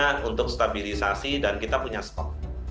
karena untuk stabilisasi dan kita punya stok